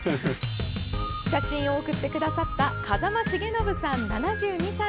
写真を送ってくださった風間重信さん、７２歳。